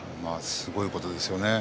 すごいことですね。